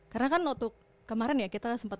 karena kan waktu kemarin ya kita sempat